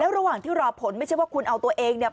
ระหว่างที่รอผลไม่ใช่ว่าคุณเอาตัวเองเนี่ย